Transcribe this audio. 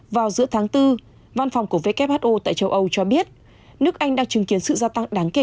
vào giữa tháng bốn văn phòng của who tại châu âu cho biết nước anh đang chứng kiến sự gia tăng đáng kể